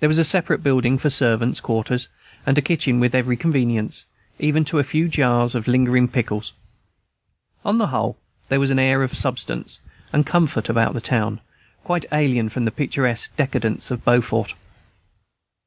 There was a separate building for servants' quarters, and a kitchen with every convenience, even to a few jars of lingering pickles. On the whole, there was an air of substance and comfort about the town, quite alien from the picturesque decadence of Beaufort.